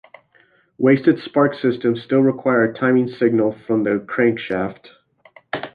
Wasted spark systems still require a timing signal from the crankshaft.